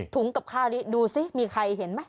กับข้าวนี้ดูสิมีใครเห็นไหม